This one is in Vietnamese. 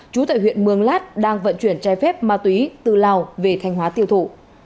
chú tại huyện mương lát đang vận chuyển chai phép ma túy từ lào về thanh hóa tiêu thụ